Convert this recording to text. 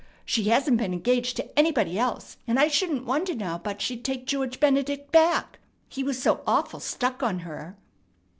She hasn't been engaged to anybody else, and I shouldn't wonder now but she'd take George Benedict back. He was so awful stuck on her!"